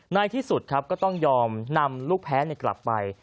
ในที่สุดครับก็ต้องยอมนำลูกแพ้กลับไป